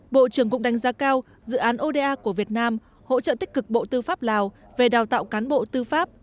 bộ trưởng cũng đánh giá cao dự án oda của việt nam hỗ trợ tích cực bộ tư pháp lào về đào tạo cán bộ tư pháp